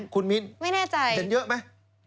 คุณมินเป็นเยอะไหมไม่แน่ใจ